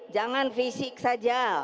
jangan fisik saja